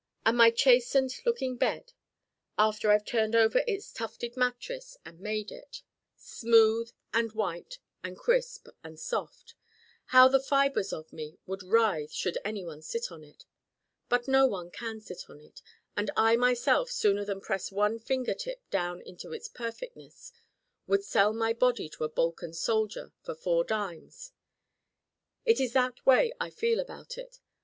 And my chastened looking bed after I've turned over its tufted mattress and 'made' it, smooth and white and crisp and soft how the fibers of me would writhe should anyone sit on it. But no one sits on it. And I myself sooner than press one finger tip down into its perfectness would sell my body to a Balkan soldier for four dimes: it is that way I feel about it.